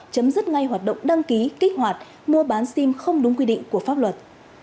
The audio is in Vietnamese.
chấm dứt ngay hoạt động đăng ký kích hoạt mua bán sim không đúng quy định của pháp luật